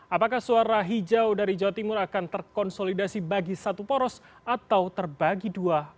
apakah suara hijau dari jawa timur akan terkonsolidasi bagi satu poros atau terbagi dua